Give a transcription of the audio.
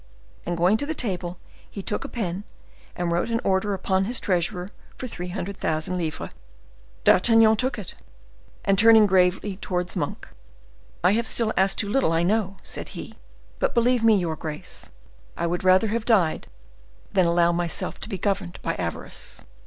And going to the table, he took a pen and wrote an order upon his treasurer for three hundred thousand livres. D'Artagnan took it, and turning gravely towards Monk: "I have still asked too little, I know," said he, "but believe me, your grace, I would rather have died that allow myself to be governed by avarice."